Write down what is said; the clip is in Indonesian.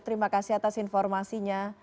terima kasih atas informasinya